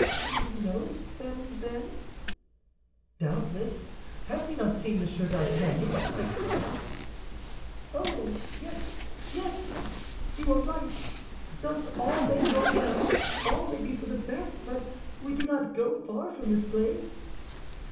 "He knows them, then?" "Doubtless. Has he not seen Monsieur d'Artagnan at my house?" "Oh, yes, yes; you are right. Thus all may go well—all may be for the best; but we do not go far from this place?"